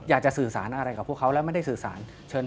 อยากจะสื่อสารอะไรกับพวกเขาและไม่ได้สื่อสารเชิญ